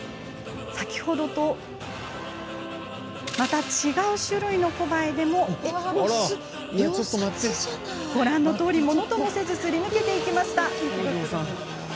先ほどと違う種類のコバエでもご覧のとおり、ものともせずにすり抜けていきました。